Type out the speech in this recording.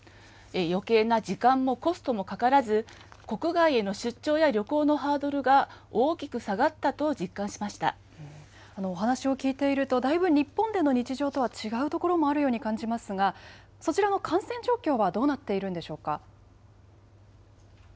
よけいな時間もコストもかからず、国外への出張や旅行のハードルがお話を聞いていると、だいぶ日本での日常とは違うところもあるように感じますが、そちらの感染状況はどうなっているんでしょうか。